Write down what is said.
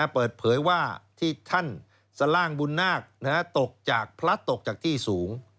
เปิดเผยว่าที่ท่านสล่างบุญนาคตกจากพลัดตกจากที่สูง